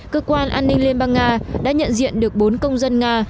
cơ quan an ninh liên bang nga đã nhận diện được bốn công dân nga